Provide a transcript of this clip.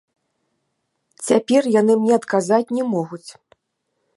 Цяпер яны мне адказаць не могуць!